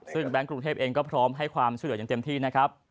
ซึ่งแบงค์กรุงเทพเองก็พร้อมให้ความช่วยเหลืออย่างเต็มที่นะครับ